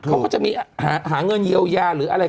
เขาก็จะมีหาเงินเยียวยาหรืออะไร